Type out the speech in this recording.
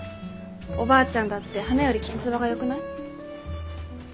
おばあちゃんだって花よりきんつばがよくない？